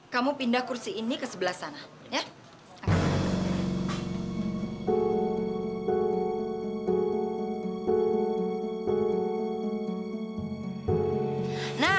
kamu pindah kursi ini ke sebelah sana